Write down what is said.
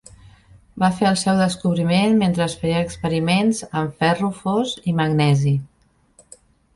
Va fer el seu descobriment mentre feia experiments amb ferro fos i magnesi.